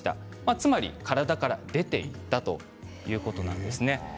つまり体から出ていったということなんです。